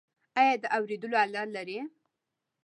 ایا د اوریدلو آله لرئ؟